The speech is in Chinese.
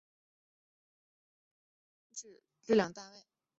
磅是英国与美国所使用的英制质量单位。